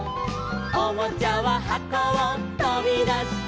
「おもちゃははこをとびだして」